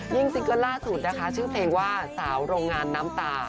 ซิงเกิลล่าสุดนะคะชื่อเพลงว่าสาวโรงงานน้ำตา